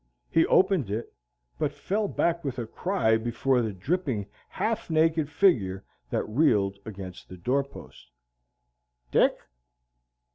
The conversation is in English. He opened it, but fell back with a cry before the dripping half naked figure that reeled against the doorpost. "Dick?"